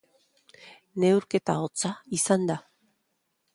Neurketa hotza izan da.